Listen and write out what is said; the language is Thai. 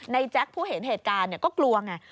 แจ๊คผู้เห็นเหตุการณ์ก็กลัวไง